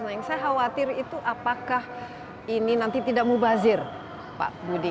nah yang saya khawatir itu apakah ini nanti tidak mubazir pak budi